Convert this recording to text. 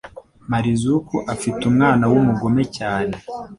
Marizuku afite umwana wumugome cyane